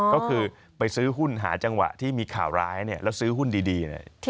ก็คือไปซื้อหุ้นหาจังหวะที่มีข่าวร้ายแล้วซื้อหุ้นดีเลย